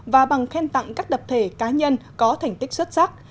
và bằng khen tặng các tập thể cá nhân có thành tích xuất sắc